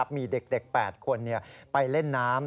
มีเด็ก๘คนไปเล่นน้ำ